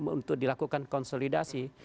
untuk dilakukan konsolidasi